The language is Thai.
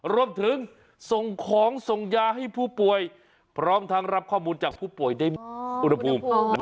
รวมถึงส่งของส่งยาให้ผู้ป่วยพร้อมทั้งรับข้อมูลจากผู้ป่วยได้อุณหภูมิ